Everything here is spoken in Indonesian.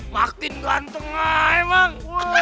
makin ganteng lah emang